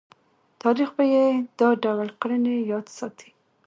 تاریخ به یې دا ډول کړنې یاد ساتي.